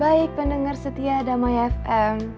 baik pendengar setia damai fm